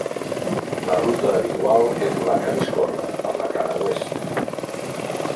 La ruta habitual és la que discorre per la cara oest.